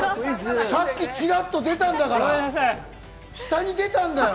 さっきチラっと出たんだから、下に出たんだよ！